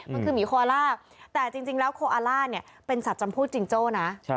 มันคือหมีโคล่าแต่จริงแล้วโคอาล่าเนี่ยเป็นสัตว์จำพูดจิงโจ้นะ